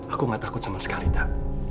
aku nggak takut sama sekali ta